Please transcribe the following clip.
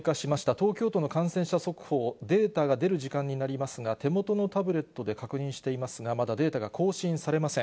東京都の感染者速報、データが出る時間になりますが、手元のタブレットで確認していますが、まだデータが更新されません。